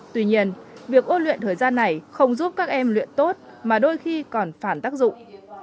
tuy nhiên việc ôn luyện thời gian này không giúp các em luyện tốt mà đôi khi còn phản tác dụng